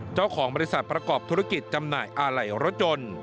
เจ้าของบริษัทประกอบธุรกิจจำหน่ายอาไหล่รถยนต์